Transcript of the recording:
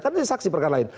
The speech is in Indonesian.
kan dia saksi perkara lain